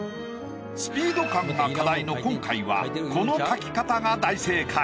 スピード感が課題の今回はこの描き方が大正解。